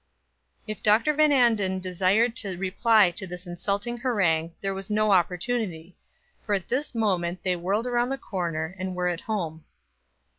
If Dr. Van Anden desired to reply to this insulting harangue, there was no opportunity, for at this moment they whirled around the corner and were at home.